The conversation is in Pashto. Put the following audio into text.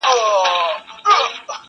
غل په غره کي نه ځائېږي.